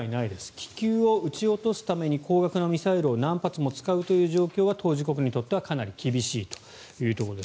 気球を撃ち落とすために高額なミサイルを何発も使うという状況は当事国にとってはかなり厳しいということです。